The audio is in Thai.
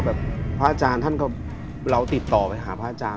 พระอาจารย์ท่านก็เราติดต่อไปหาพระอาจารย์